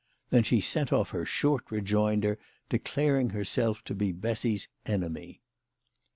Then she sent off her short rejoinder, de claring herself to be Bessy's enemy.